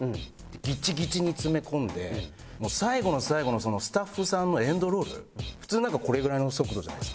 もう最後の最後のそのスタッフさんのエンドロール普通なんかこれぐらいの速度じゃないですか。